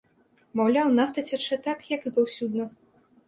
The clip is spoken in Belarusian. Маўляў, нафта цячэ так, як і паўсюдна.